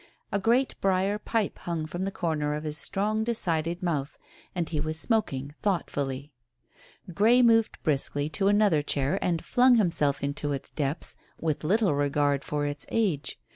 A great briar pipe hung from the corner of his strong, decided mouth, and he was smoking thoughtfully. Grey moved briskly to another chair and flung himself into its depths with little regard for its age.